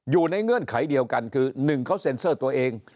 เงื่อนไขเดียวกันคือ๑เขาเซ็นเซอร์ตัวเอง